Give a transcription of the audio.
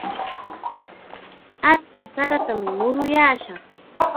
Achka saratam muruyaashaq.